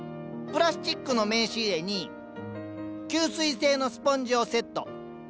プラスチックの名刺入れに吸水性のスポンジをセット。